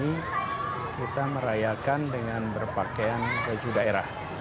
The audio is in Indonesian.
ini kita merayakan dengan berpakaian keju daerah